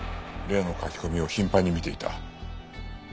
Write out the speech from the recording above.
例の書き込みを頻繁に見ていた。